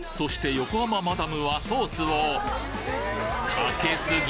横浜マダムはソースをかけすぎ！